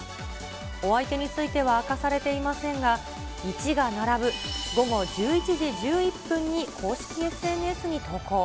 お相手については明かされていませんが、１が並ぶ午後１１時１１分に公式ＳＮＳに投稿。